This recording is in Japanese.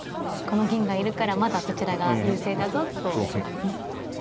この銀がいるからまだこちらが優勢だぞと。